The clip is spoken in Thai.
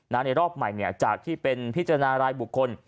ในรอบใหม่จากที่เป็นพิจารณารายบุคคล